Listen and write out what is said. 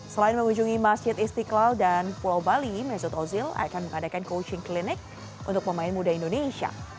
selain mengunjungi masjid istiqlal dan pulau bali mesut ozil akan mengadakan coaching clinic untuk pemain muda indonesia